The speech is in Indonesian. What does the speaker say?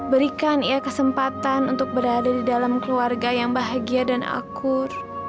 berikan ya kesempatan untuk berada di dalam keluarga yang bahagia dan akur